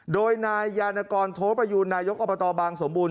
โดยนายยานกรโทประยูนนายกอบตบางสมบูรณ